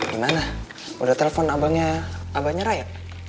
gimana udah telepon abangnya abangnya rakyat